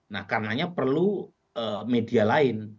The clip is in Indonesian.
nah karenanya perlu media lain